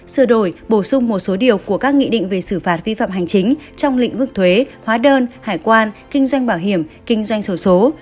sửa đổi bổ sung một số điều của các nghị định về xử phạt vi phạm hành chính trong lĩnh vực thuế hóa đơn hải quan kinh doanh bảo hiểm kinh doanh sổ số